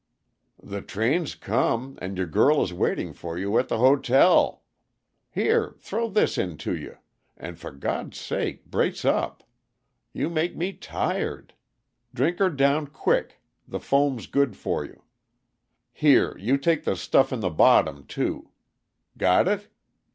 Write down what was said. "The train's come, and your girl is waiting for you at the hotel. Here, throw this into you and for God's sake, brace up! You make me tired. Drink her down quick the foam's good for you. Here, you take the stuff in the bottom, too. Got it?